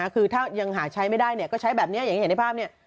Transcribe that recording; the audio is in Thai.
คือถ้ายังหาใช้ไม่ได้ก็ใช้แบบนี้อย่างที่เห็นในภาพเนี่ย